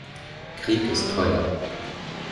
Krieg ist teuer.